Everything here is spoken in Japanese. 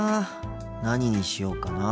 何にしようかなあ。